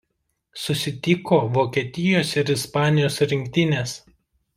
Susitiko Vokietijos ir Ispanijos rinktinės.